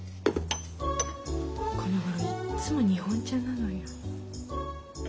このごろいっつも日本茶なのよ。